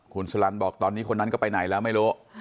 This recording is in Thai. คุณสลันบอกตอนนี้คนนั้นก็ไปไหนแล้วไม่รู้